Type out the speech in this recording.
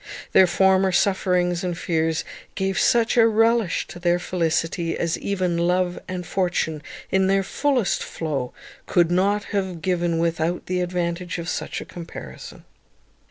Their former sufferings and fears gave such a relish to their felicity as even love and fortune, in their fullest flow, could not have given without the advantage of such a comparison.